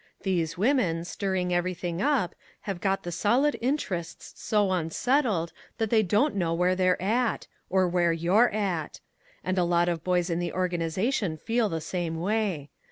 These women, stirring everything up, have got the solid interests so unsettled that they don't know where they're at or where you're at. And a lot of boys in the organization feel the same way.